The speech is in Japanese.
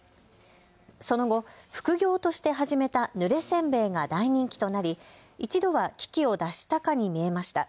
その後、副業として始めたぬれせんべいが大人気となり一度は危機を脱したかに見えました。